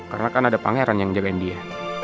karena kan ada pangeran yang jagain dia